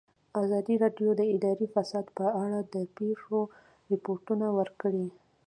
ازادي راډیو د اداري فساد په اړه د پېښو رپوټونه ورکړي.